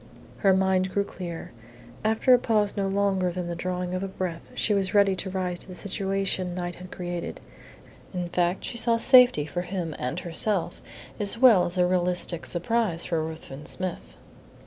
Her mind grew clear. After a pause no longer than the drawing of a breath she was ready to rise to the situation Knight had created. In fact, she saw safety for him and herself, as well as a realistic surprise for Ruthven Smith.